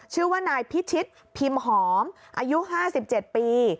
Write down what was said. ชื่อว่านายพิชิตพิมพ์หอมอายุ๕๗ปี